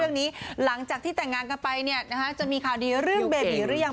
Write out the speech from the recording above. หลังจากที่แต่งงานกันไปเนี่ยนะฮะจะมีข่าวดีเรื่องเบบีหรือยัง